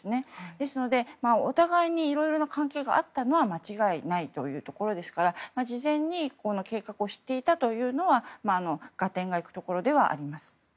ですのでお互いにいろいろな関係があったのは間違いないというところですから事前に計画を知っていたというのは合点がいくところではあります。